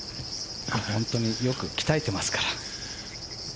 本当によく鍛えてますから。